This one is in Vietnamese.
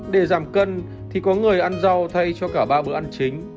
để giảm cân thì có người ăn rau thay cho cả ba bữa ăn chính